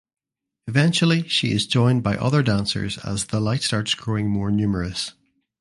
Eventually she is joined by other dancers as the light starts growing more numerous.